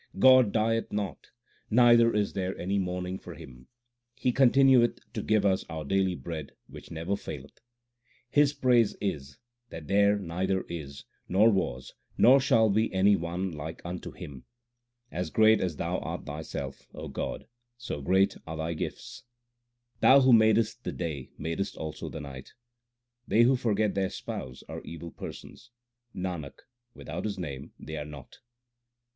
God dieth not, neither is there any mourning for Him ; He continueth to give us our daily bread which never faileth. His praise is that there neither is, Nor was, nor shall be any one like unto Him. As great as Thou art Thyself, O God, so great are Thy gifts. Thou who madest the day madest also the night They who forget their Spouse are evil persons : Nanak, without His name they are naught.